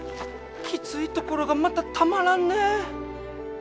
きついところがまたたまらんね。